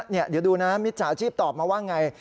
นี่ครับเดี๋ยวดูนะมิตรฐาชีพตอบมาว่าอย่างไร